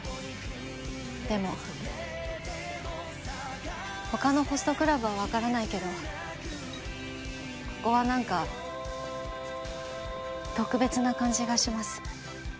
でも他のホストクラブは分からないけどここは何か特別な感じがします